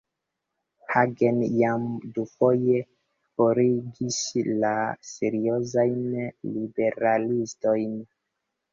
Hagen jam dufoje forigis la seriozajn liberalistojn.